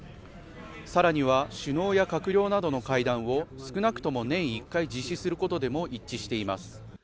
さらには首脳や閣僚などの会談を少なくとも年１回実施することでも一致しています